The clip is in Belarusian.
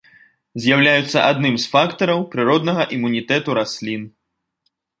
З'яўляюцца адным з фактараў прыроднага імунітэту раслін.